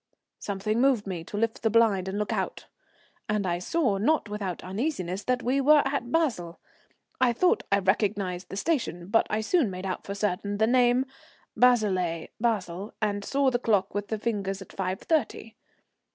Something moved me to lift the blind and look out, and I saw, not without uneasiness, that we were at Basle. I thought I recognized the station, but I soon made out for certain the name "Basilea" (Basle), and saw the clock with the fingers at five thirty.